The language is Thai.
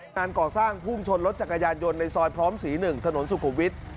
งานก่อสร้างพุ่งชนรถจักรยานยนต์ในซอยพร้อมศรี๑ถนนสุขุมวิทย์